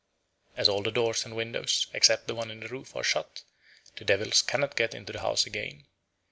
As all the doors and windows, except the one in the roof, are shut, the devils cannot get into the house again.